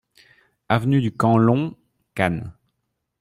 Avenue du Camp Long, Cannes